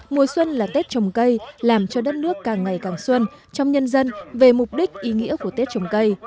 mùa xuân là tết trồng cây làm cho đất nước càng ngày càng xuân trong nhân dân về mục đích ý nghĩa của tết trồng cây